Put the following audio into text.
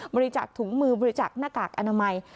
บริจาคถุงมือบริจักษ์หน้ากากอนามัย